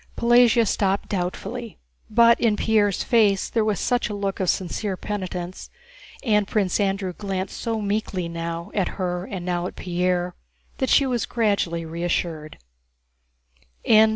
Pelagéya stopped doubtfully, but in Pierre's face there was such a look of sincere penitence, and Prince Andrew glanced so meekly now at her and now at Pierre, that she was gradually reassured.